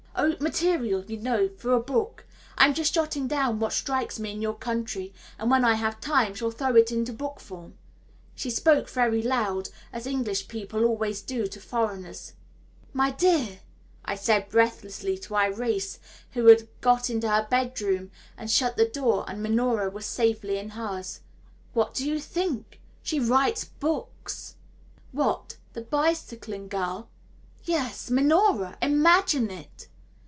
"Oh material, you know, for a book. I'm just jotting down what strikes me in your country, and when I have time shall throw it into book form." She spoke very loud, as English people always do to foreigners. "My dear," I said breathlessly to Irais, when I had got into her room and shut the door and Minora was safely in hers, "what do you think she writes books!" "What the bicycling girl?" "Yes Minora imagine it!"